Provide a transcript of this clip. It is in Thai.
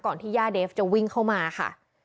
ที่ย่าเดฟจะวิ่งเข้ามาค่ะ